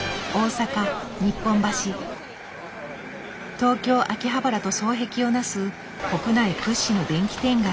東京・秋葉原と双璧をなす国内屈指の電器店街。